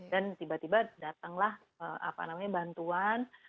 dan tiba tiba datanglah bantuan